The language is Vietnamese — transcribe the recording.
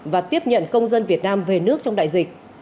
và tiếp nhận công dân việt nam về nước trong đại dịch